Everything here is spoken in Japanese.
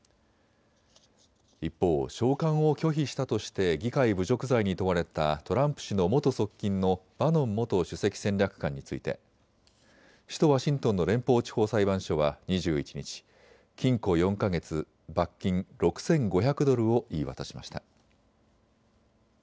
一方、召喚を拒否したとして議会侮辱罪に問われたトランプ氏の元側近のバノン元首席戦略官について首都ワシントンの連邦地方裁判所は２１日、禁錮４か月、罰金６５００ドルを言い渡しました。